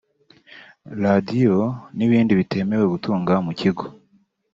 radiyo n’ibindi bitemewe gutunga mu kigo